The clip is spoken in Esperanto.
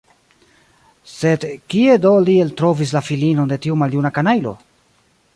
Sed kie do li eltrovis la filinon de tiu maljuna kanajlo?